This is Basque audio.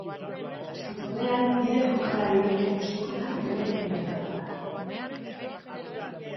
futbolean nire jokalarik gustukoena Mikel Oyarzabal da.